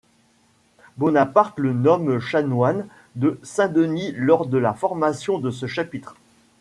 Bonaparte le nomme chanoine de Saint-Denis lors de la formation de ce chapitre.